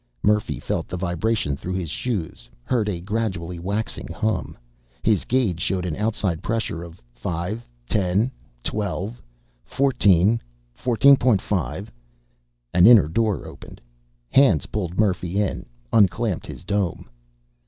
Murphy felt the vibration through his shoes, heard a gradually waxing hum. His gauge showed an outside pressure of 5, 10, 12, 14, 14.5. An inner door opened. Hands pulled Murphy in, unclamped his dome.